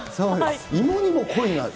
芋にも恋してる？